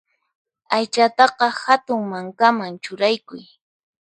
Aychataqa hatun mankaman churaykuy.